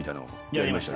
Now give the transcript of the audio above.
やりました。